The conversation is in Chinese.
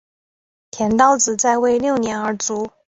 田悼子在位六年而卒。